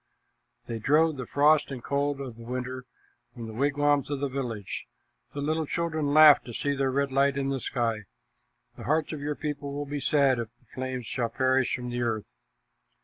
They drove the frost and cold of winter from the wigwams of the village. The little children laughed to see their red light in the sky. The hearts of your people will be sad, if the flames must perish from the earth."